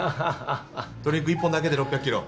ドリンク１本だけで６００キロ。